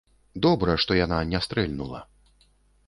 Добра, што яна не стрэльнула.